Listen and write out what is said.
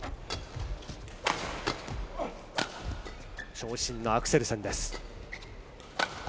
長身のアクセルセンです。